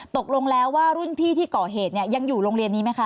ตกลงแล้วว่ารุ่นพี่ที่ก่อเหตุเนี่ยยังอยู่โรงเรียนนี้ไหมคะ